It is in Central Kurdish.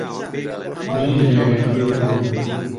دوو ددانی کلۆر بوون